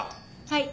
はい。